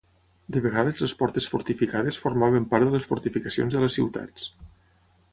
De vegades les portes fortificades formaven part de les fortificacions de les ciutats.